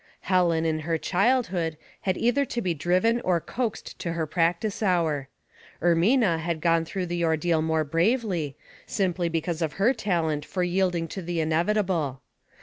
Helen, in her childhood, had either to be driven or coaxed to her practice hour. Er mina had gone through the ordeal more bravely, 28 Household Puzzles. simply because of her talent for yielding to the inevitable.